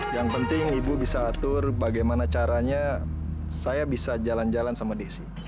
yang penting ibu bisa atur bagaimana caranya saya bisa jalan jalan sama desi